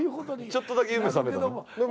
ちょっとだけ夢さめたな。